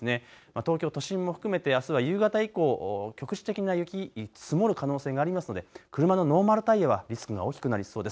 東京都心も含めてあすは夕方以降、局地的な雪積もる可能性がありますので、車のノーマルタイヤはリスクが大きくなりそうです。